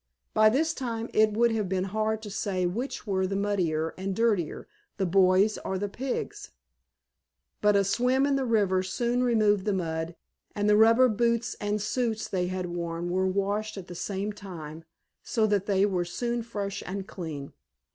By this time it would have been hard to say which were the muddier and dirtier, the boys or the pigs, but a swim in the river soon removed the mud, and the rubber boots and suits they had worn were washed at the same time, so that they were soon fresh and clean.